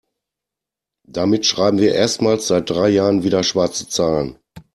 Damit schreiben wir erstmals seit drei Jahren wieder schwarze Zahlen.